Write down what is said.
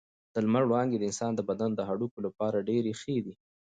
د لمر وړانګې د انسان د بدن د هډوکو لپاره ډېرې ښې دي.